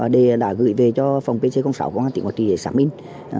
để đã gửi về cho phòng pc sáu của hàn tỉnh hoa trị để xác minh